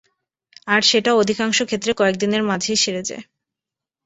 আর সেটা অধিকাংশ ক্ষেত্রে কয়েকদিনের মাঝেই সেরে যায়।